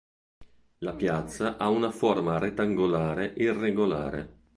La piazza ha una forma rettangolare irregolare.